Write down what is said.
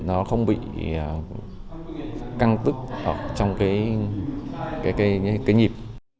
nó không bị căng tức trong cái nhịp